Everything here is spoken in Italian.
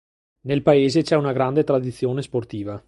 Nel paese c'è una grande tradizione sportiva.